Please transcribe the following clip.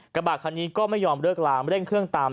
กระบะคันนี้ก็ไม่ยอมเลิกลามเร่งเครื่องตาม